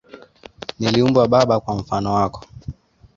Niliumbwa baba kwa mfano wako.